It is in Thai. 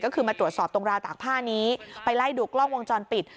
ก็คือมาตรวจสอบตรงราวตากผ้านี้ไปไล่ดูกล้องวงจรปิด